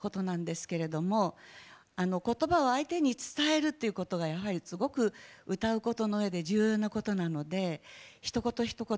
そして、私がいつも思うことなんですけれどもことばを相手に伝えるっていうことがやはりすごく歌うことのうえで重要なことなのでひと言、ひと言